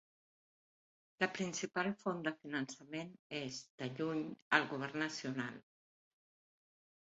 La principal font de finançament és, de lluny, el govern nacional.